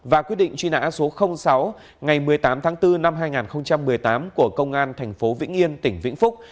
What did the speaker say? và quyết định truy nã số sáu ngày một mươi tám tháng bốn năm hai nghìn một mươi tám của công an thành phố vĩnh yên tỉnh vĩnh phúc